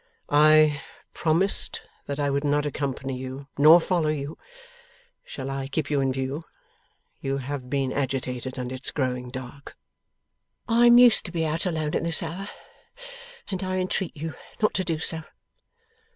'I promised that I would not accompany you, nor follow you. Shall I keep you in view? You have been agitated, and it's growing dark.' 'I am used to be out alone at this hour, and I entreat you not to do so.